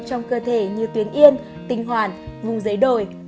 trong cơ thể như tuyến yên tinh hoàn vùng giấy đồi